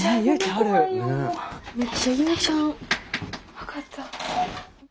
分かった。